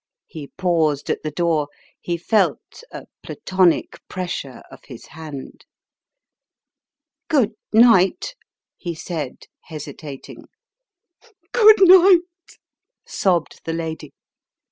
He paused at the door he felt a Platonic pressure of his hand. " Good night," he said, hesitating. " Good night," sobbed the lady. Mr.